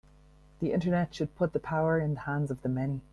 The Internet should put the power in the hands of the many.